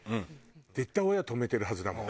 絶対親止めてるはずだもん。